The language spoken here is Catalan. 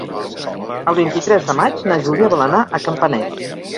El vint-i-tres de maig na Júlia vol anar a Campanet.